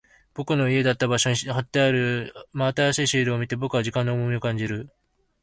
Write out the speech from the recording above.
僕の家だった場所に貼ってある真新しいシールを見て、僕は時間の重みを感じる。